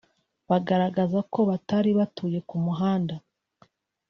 bagaragaza ko batari batuye ku muhanda